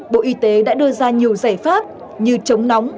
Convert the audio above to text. bộ y tế đã đưa ra nhiều giải pháp như chống nóng